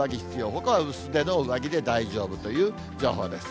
ほかは薄手の上着で大丈夫という情報です。